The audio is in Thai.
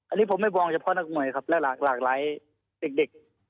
อันนี้ผมไม่มองเฉพาะนักมวยครับและหลากหลายเด็ก